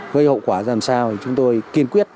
với hậu quả làm sao thì chúng tôi kiên quyết